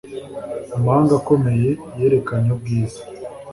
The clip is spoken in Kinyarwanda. amahanga akomeye yerekanye ubwiza